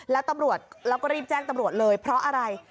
แล้วตำรวจเราก็รีบแจ้งตำรวจเลยเพราะอะไร